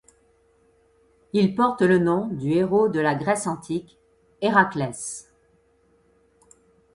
Il porte le nom du héros de la Grèce antique Héraclès.